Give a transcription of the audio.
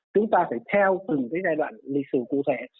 chúng ta phải theo từng cái giai đoạn lịch sử cụ thể